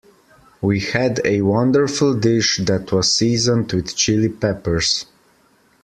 We had a wonderful dish that was seasoned with Chili Peppers.